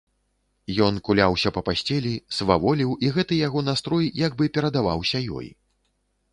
Ён куляўся па пасцелі, сваволіў, і гэты яго настрой як бы перадаваўся ёй.